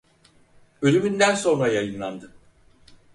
Ölümünden sonra yayınlandı.